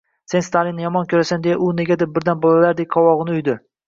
— Sen Stalinni yomon ko’rasan! – deya u negadir birdan bolalardek qovog’ini uyib.